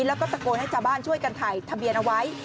แล้วก็ตะโกนให้ชาวบ้านช่วยกันถ่ายทะเบียนเอาไว้